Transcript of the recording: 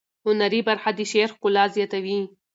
هنري برخه د شعر ښکلا زیاتوي.